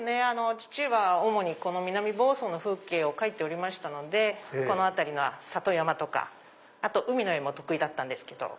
父は主にこの南房総の風景を描いておりましたのでこの辺りの里山とかあと海の絵も得意だったんです。